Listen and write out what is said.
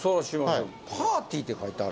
「パーティー」って書いてある。